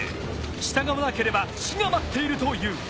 従わなければ死が待っているという。